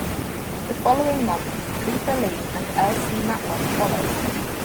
The following month Luther Lee and L. C. Matlock followed.